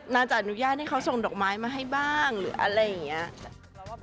น่าจะอนุญาตให้เขาส่งดอกไม้มาให้บ้างหรืออะไรอย่างนี้